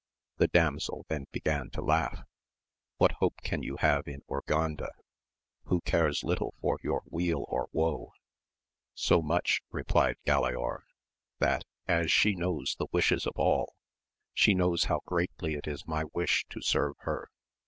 The damsel then began to laugh — what hope can you have in Urganda, who cares little for your weal or woe ] So much, replied Galaor, that as she knows the wishes of all, she knows how greatly it is my wish to serve her.